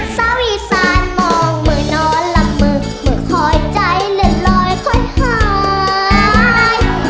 สาวอีสานมองเหมือนนอนลำมึกเหมือนคอยใจเหลือลอยคอยหาย